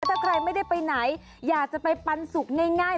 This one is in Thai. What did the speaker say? ถ้าใครไม่ได้ไปไหนอยากจะไปปันสุกง่าย